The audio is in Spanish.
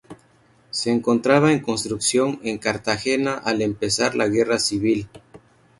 Se encontraba en construcción en Cartagena al empezar la Guerra Civil.